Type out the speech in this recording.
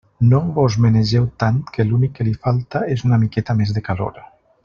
I no vos menegeu tant que l'únic que li falta és una miqueta més de calor.